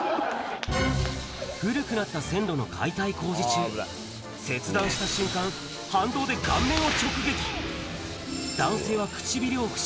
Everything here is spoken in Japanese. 古くなった線路の解体工事中、切断した瞬間、反動で顔面を直撃。